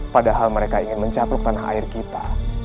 padahal mereka ingin mencaplok tanah air kita